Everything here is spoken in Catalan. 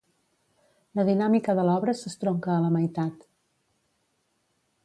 La dinàmica de l'obra s'estronca a la meitat.